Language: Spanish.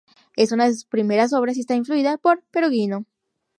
Es una de sus primeras obras, y está influida por Perugino.